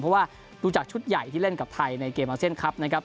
เพราะว่าดูจากชุดใหญ่ที่เล่นกับไทยในเกมอาเซียนคลับนะครับ